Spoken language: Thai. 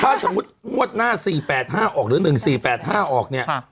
ถ้าสมมุติงวดหน้า๔๘๕ออกหรือ๑๔๘๕ออกเนี่ย